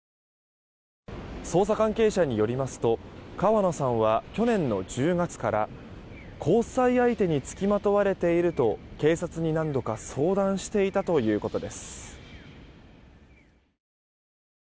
捜査関係者によりますと川野さんは去年の１０月から交際相手につきまとわれていると警察に何度か相談していたということです。